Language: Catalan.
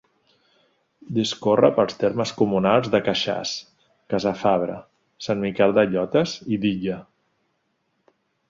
Discorre pels termes comunals de Queixàs, Casafabre, Sant Miquel de Llotes i d'Illa.